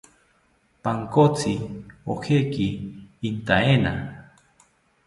Pankotzi ojeki intaena